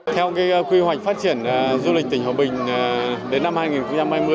theo quy hoạch phát triển du lịch tỉnh hòa bình đến năm hai nghìn hai mươi